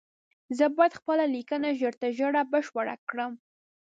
زه بايد خپله ليکنه ژر تر ژره بشپړه کړم